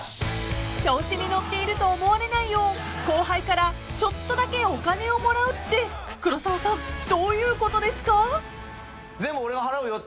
［調子に乗っていると思われないよう後輩からちょっとだけお金をもらうって黒沢さんどういうことですか？］